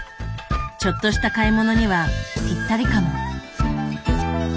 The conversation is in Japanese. ちょっとした買い物にはぴったりかも。